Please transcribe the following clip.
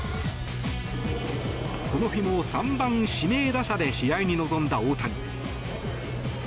この日も、３番指名打者で試合に臨んだ大谷。